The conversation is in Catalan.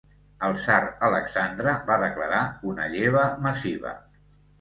El tsar Alexandre va declarar una lleva massiva.